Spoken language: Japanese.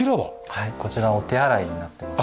はいこちらお手洗いになってます。